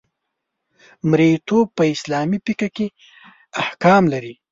مرییتوب په اسلامي فقه کې احکام لري.